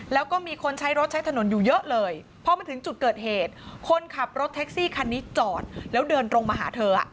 แล้วก็มีคนใช้รถใช้ถนนอยู่เยอะเลยพอมาถึงจุดเกิดเหตุคนขับรถแท็กซี่คันนี้จอดแล้วเดินตรงมาหาเธอ